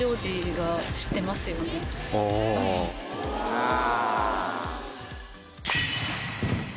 ああ。